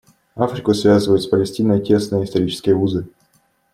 Африку связывают с Палестиной тесные исторические узы.